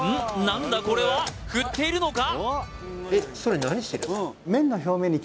なんだこれは振っているのか？